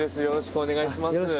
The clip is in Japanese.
よろしくお願いします。